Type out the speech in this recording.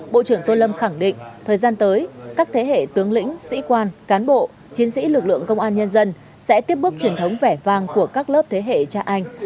bộ trưởng tô lâm khẳng định thời gian tới các thế hệ tướng lĩnh sĩ quan cán bộ chiến sĩ lực lượng công an nhân dân sẽ tiếp bước truyền thống vẻ vang của các lớp thế hệ cha anh